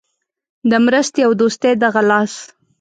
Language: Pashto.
د مرستې او دوستۍ دغه لاس.